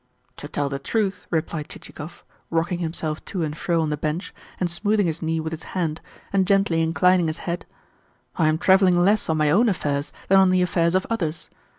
"To tell the truth," replied Chichikov, rocking himself to and fro on the bench, and smoothing his knee with his hand, and gently inclining his head, "I am travelling less on my own affairs than on the affairs of others.